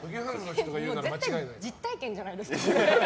実体験じゃないですか。